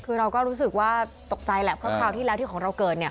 คือเราก็รู้สึกว่าตกใจแหละเพราะคราวที่แล้วที่ของเราเกิดเนี่ย